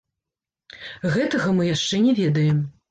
Гэтага мы яшчэ не ведаем.